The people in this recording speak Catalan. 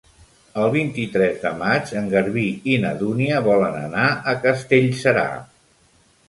El vint-i-tres de maig en Garbí i na Dúnia volen anar a Castellserà.